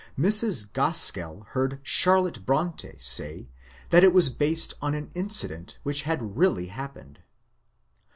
Mrs. Gaskell heard Charlotte Bronte say that it was based on an incident which had really happened.